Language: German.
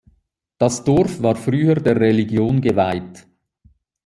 Das Dorf war früher der Religion geweiht.